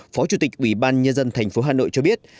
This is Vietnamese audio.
phó chủ tịch ủy ban nhân dân thành phố hà nội cho biết